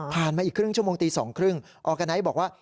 มาอีกครึ่งชั่วโมงตี๒๓๐ออร์กาไนท์บอกว่า